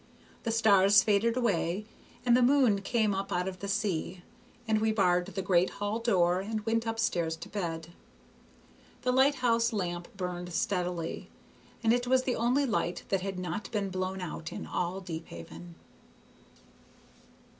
The stars faded away and the moon came up out of the sea, and we barred the great hall door and went up stairs to bed. The lighthouse lamp burned steadily, and it was the only light that had not been blown out in all Deephaven.